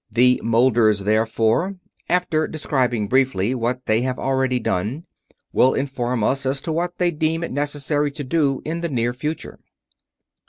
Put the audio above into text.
The Moulders therefore, after describing briefly what they have already done, will inform us as to what they deem it necessary to do in the near future."